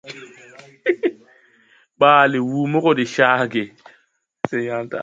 Ɓaale Wúmo gɔ de caage.